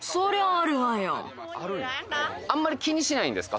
あるんやあんまり気にしないんですか？